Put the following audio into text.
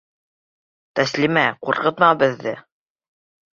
Тәслимә, ҡурҡытма беҙҙе!